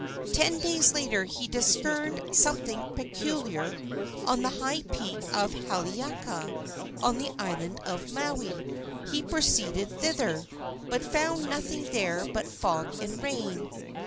Ten days later he discerned something peculiar on the high peak of Haleakala, on the island of Maui. He proceeded thither, but found nothing there but fog and rain.